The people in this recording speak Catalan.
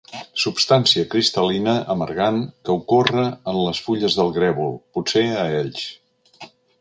Substància cristal·lina amargant que ocorre en les fulles del grèvol, potser a Elx.